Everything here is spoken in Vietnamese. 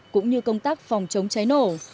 cũng như công tác phòng chống cháy nổ